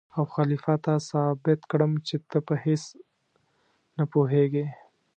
او خلیفه ته ثابت کړم چې ته په هېڅ نه پوهېږې.